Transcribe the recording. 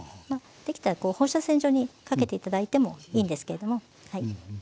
できたら放射線状にかけて頂いてもいいんですけれどもはい。